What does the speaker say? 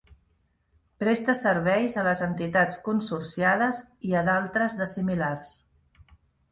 Presta serveis a les entitats consorciades i a d’altres de similars.